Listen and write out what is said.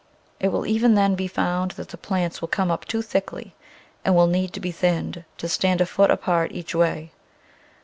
It will, even then, be found that the plants will come up too thickly and will need to be thinned to stand a foot apart each way.